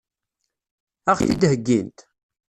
Ad ɣ-t-id-heggint?